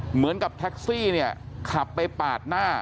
เหมือนกับแท็กซี่เนี่ยขับไปปาดหน้า